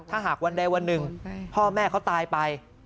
ถ้าหากวันใดวันหนึ่งพ่อแม่เขาตายไป